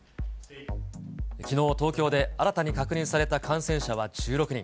きのう、東京で新たに確認された感染者は１６人。